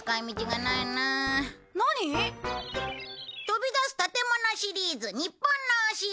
とび出す建物シリーズ日本のお城。